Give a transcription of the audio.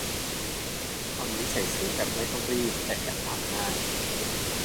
ตอนนี้ใส่เสื้อแบบไม่ต้องรีด แต่แอบพังง่าย